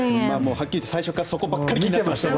はっきり言って最初からそこばかり見ていました。